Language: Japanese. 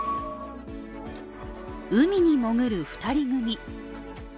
海に潜る２人組。